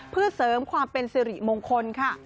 เพื่อเสริมความเป็นสิริมงคลค่ะ